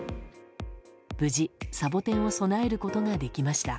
無事、サボテンを供えることができました。